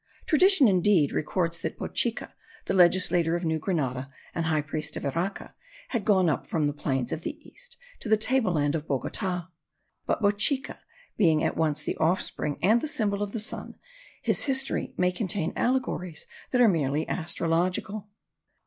Tradition, indeed, records that Bochica, the legislator of New Granada and high priest of Iraca, had gone up from the plains of the east to the table land of Bogota. But Bochica being at once the offspring and the symbol of the sun, his history may contain allegories that are merely astrological.